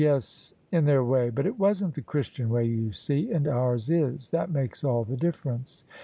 " Yes, in their way : but it wasn't the Christian way, you see: and oUrs is. That makes all the difference."